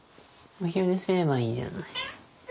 お昼寝すればいいじゃない。